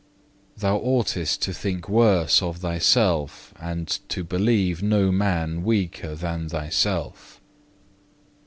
Thou oughtest to think worse of thyself, and to believe no man weaker than thyself.